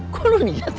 kok lu lihat sih